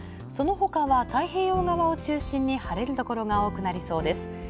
そのほかは太平洋側を中心に晴れるところが多くなりそうです。